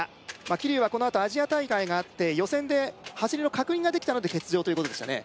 桐生はこのあとアジア大会があって予選で走りの確認ができたので欠場ということでしたね